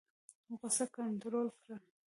غوسه کنټرول کړئ